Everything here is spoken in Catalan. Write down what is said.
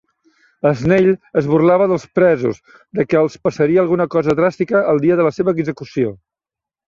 Snell es burlava dels presos de què els passaria alguna cosa dràstica el dia de la seva execució.